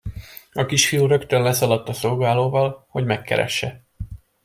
A kisfiú rögtön leszaladt a szolgálóval, hogy megkeresse.